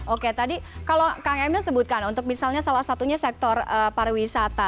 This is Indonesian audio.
oke tadi kalau kang emil sebutkan untuk misalnya salah satunya sektor pariwisata